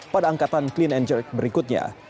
pada angkatan clean and jerk berikutnya